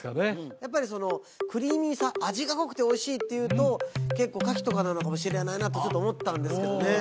やっぱりそのクリーミーさ味が濃くておいしいっていうと結構カキとかなのかもしれないなってちょっと思ったんですけどね